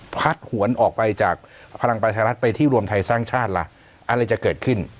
หวนออกไปจากพลังประชารัฐไปที่รวมไทยสร้างชาติล่ะอะไรจะเกิดขึ้น